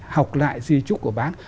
học lại di trúc của bác